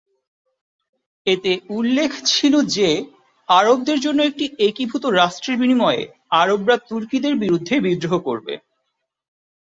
এতে উল্লেখ ছিল যে, আরবদের জন্য একটি একীভূত রাষ্ট্রের বিনিময়ে আরবরা তুর্কিদের বিরুদ্ধে বিদ্রোহ করবে।